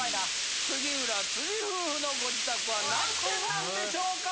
杉浦・辻夫婦のご自宅は何点なんでしょうか？